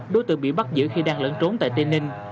đối tượng bị bắt giữ khi đang lẫn trốn tại tây ninh